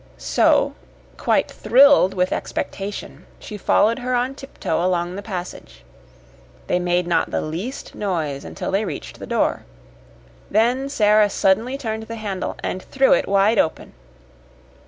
So, quite thrilled with expectation, she followed her on tiptoe along the passage. They made not the least noise until they reached the door. Then Sara suddenly turned the handle, and threw it wide open.